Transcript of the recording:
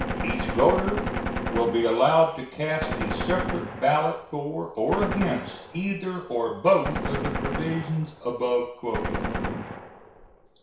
Each voter will be allowed to cast a separate ballot for or against either or both of the provisions above quoted.